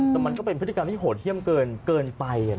แต่มันก็เป็นพฤติกรรมที่โหดเยี่ยมเกินไป